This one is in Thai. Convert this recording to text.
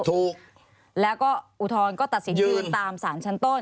ถูกแล้วก็อุทธรณ์ก็ตัดสินยืนตามสารชั้นต้น